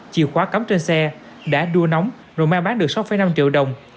chìa khóa cắm trên xe đã đua nóng rồi mai bán được sáu năm triệu đồng